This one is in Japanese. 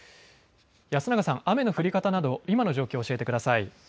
安永さん、雨の降り方など今の状況を教えてください。